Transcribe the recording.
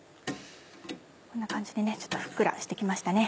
こんな感じでちょっとふっくらして来ましたね。